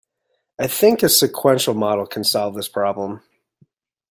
I think a sequential model can solve this problem.